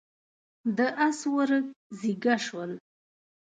د اس ورږ زيږه شول.